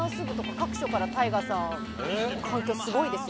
各所でＴＡＩＧＡさんの反響すごいですよ。